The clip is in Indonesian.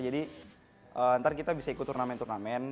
jadi nanti kita bisa ikut turnamen turnamen